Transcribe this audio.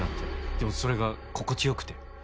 でもそれが心地良くて。